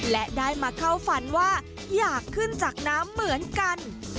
และได้มาเข้าฝันว่าอยากขึ้นจากน้ำเหมือนกัน